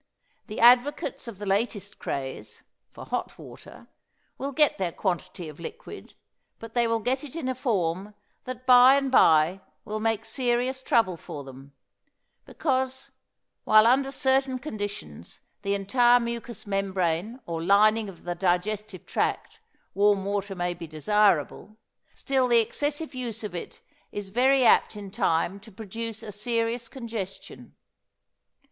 The advocates of the latest craze, for hot water, will get their quantity of liquid, but they will get it in a form that by and by will make serious trouble for them; because, while under certain conditions the entire mucous membrane or lining of the digestive tract, warm water may be desirable, still the excessive use of it is very apt in time to produces a serious congestion.